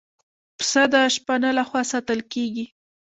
پسه د شپانه له خوا ساتل کېږي.